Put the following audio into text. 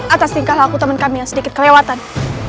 atas tingkah laku temen kami sedikit kelewatan